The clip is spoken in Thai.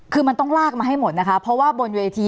คือมันต้องลากมาให้หมดนะคะเพราะว่าบนเวที